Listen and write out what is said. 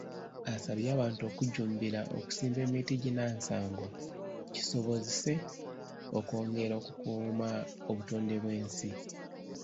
Asabye abantu okujjumbira okusimba emiti ginnansangwa kisobozese okwongera okukuuma obutonde bw’ensi.